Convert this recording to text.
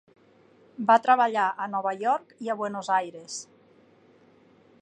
Va treballar a Nova York i a Buenos Aires.